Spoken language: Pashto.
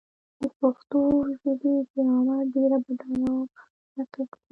د پښتو ژبې ګرامر ډېر بډایه او دقیق دی.